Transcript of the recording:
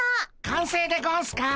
かんせいでゴンスか？